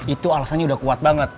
itu alasannya udah kuat banget